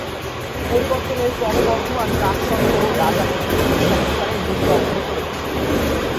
পরিবর্তনের ক্রমবর্ধমান ডাক সত্ত্বেও, রাজা মধ্যপন্থী সংস্কারের নীতি অব্যাহত রেখেছেন।